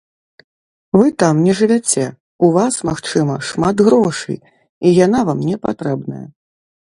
Вы там не жывяце, у вас, магчыма, шмат грошай, і яна вам не патрэбная.